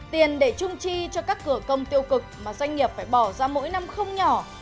tiền để trung chi cho các cửa công tiêu cực mà doanh nghiệp phải bỏ ra mỗi năm không nhỏ